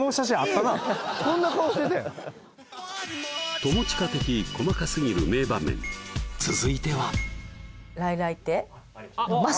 友近的細かすぎる名場面続いては来た！